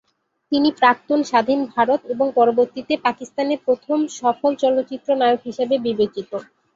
তিনি প্রাক্তন স্বাধীন ভারত এবং পরবর্তীতে পাকিস্তানে প্রথম সফল চলচ্চিত্র নায়ক হিসেবে বিবেচিত।